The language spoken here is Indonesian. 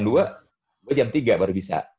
gue jam tiga baru bisa